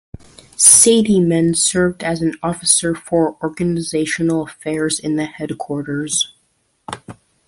Sayidiman served as an officer for organizational affairs in the headquarters.